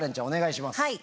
お願いします。